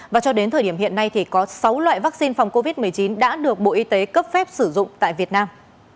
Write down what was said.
và cho đến thời điểm hiện nay thì có sáu loại vaccine phòng covid một mươi chín đã được bộ y tế cấp phép sử dụng tại việt nam